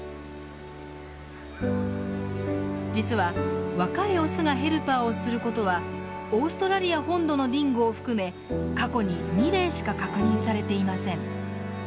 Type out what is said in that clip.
実は若いオスがヘルパーをする事はオーストラリア本土のディンゴを含め過去に２例しか確認されていません。